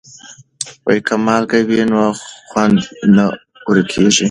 که مالګه وي نو خوند نه ورکیږي.